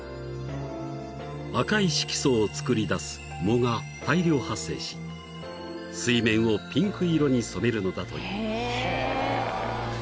［赤い色素を作り出す藻が大量発生し水面をピンク色に染めるのだという］